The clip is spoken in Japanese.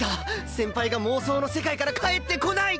先輩が妄想の世界から帰ってこない！